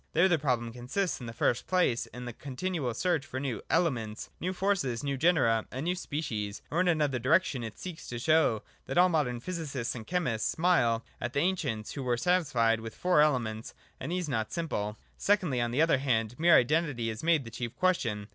There the problem consists, in the first place, in the continual search for new ' elements,' new forces, new genera, and species. Or, in another direction, it seeks to show that all bodies hitherto believed to be simple are compound : and modern physicists and chemists smile at the ancients, who were satisfied with four elements, and these not simple. Secondly, and on the other hand, mere identity is made the chief question.